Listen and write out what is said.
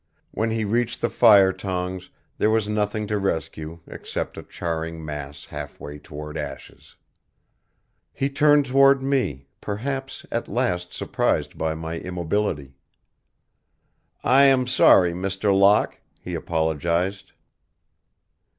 When he reached the fire tongs there was nothing to rescue except a charring mass half way toward ashes. He turned toward me, perhaps at last surprised by my immobility. "I am sorry, Mr. Locke," he apologized.